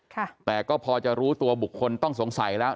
แต่ก็พอจะรู้ตัวบุคคลต้องสงสัยแล้ว